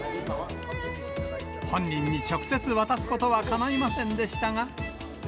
本人に直接渡すことはかないませんでしたが。